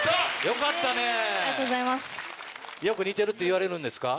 よく似てるって言われるんですか？